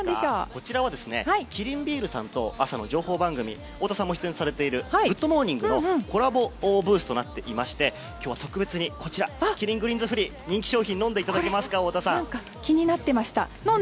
こちらは、キリンビールさんと朝の情報番組太田さんも出演されている「グッド！モーニング」のコラボブースとなっていまして今日は特別にキリングリーンズフリー人気商品を気になってました。